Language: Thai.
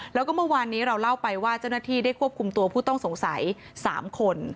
แล้วก็เมื่อวานนี้เราเล่าไปว่าเจ้าหน้าที่ได้ควบคุมตัวผู้ต้องสงสัย๓คน